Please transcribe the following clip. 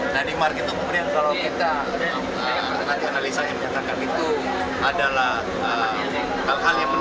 nah di mark itu kemudian kalau kita menganalisa dan mencatatkan itu adalah hal hal yang menarik